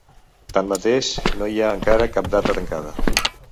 Tanmateix, no hi ha encara cap data tancada.